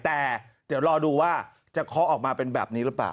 แต่เดี๋ยวรอดูว่าจะเคาะออกมาเป็นแบบนี้หรือเปล่า